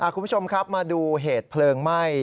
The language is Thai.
คุณผู้ชมครับมาดูเหตุเพลิงไหม้